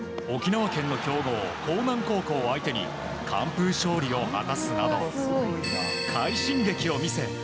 沖縄県の強豪・興南高校相手に完封勝利を果たすなど快進撃を見せ